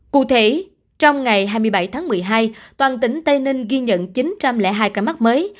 cụ thể trong ngày hai mươi bảy tháng một mươi hai toàn tỉnh tây ninh ghi nhận chín trăm linh hai ca mắc mới